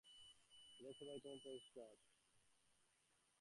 এদের সবই কেমন পরিষ্কার! রাস্তাগুলো প্রায় সবই চওড়া সিধে ও বরাবর সমানভাবে বাঁধানো।